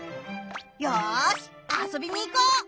よし遊びに行こう！